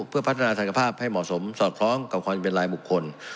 เพื่อพัฒนาศักยภาพให้เหมาะสมสอดคล้องกับความเป็นรายบุคคล